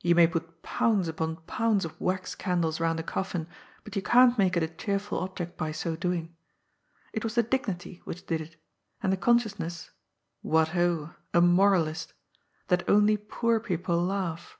You may put pounds upon pounds of wax candles round a coffin, but you can't make it a cheerful object by so doing. It was the dignity which did it, and the consciousness — ^what ho, a moralist !— ^that only poor people laugh.